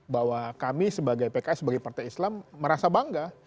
bahwa kami sebagai pks sebagai partai islam merasa bangga